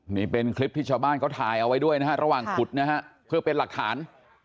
นี่เป็นคลิปที่ชาวบ้านเขาถ่ายเอาไว้ด้วยนะฮะระหว่างขุดนะฮะเพื่อเป็นหลักฐาน